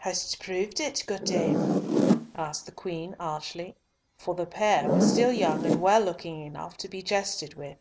"Hast proved it, good dame?" asked the Queen archly, for the pair were still young and well looking enough to be jested with.